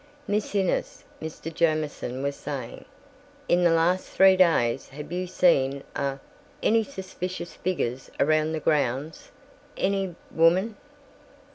"Miss Innes," Mr. Jamieson was saying, "in the last three days, have you seen a—any suspicious figures around the grounds? Any—woman?"